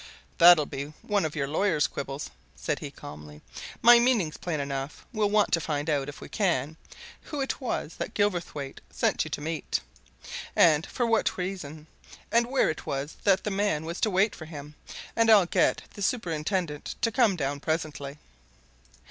"That'll be one of your lawyer's quibbles," said he calmly. "My meaning's plain enough we'll want to find out, if we can, who it was that Gilverthwaite sent you to meet. And for what reason? And where it was that the man was to wait for him? And I'll get the superintendent to come down presently."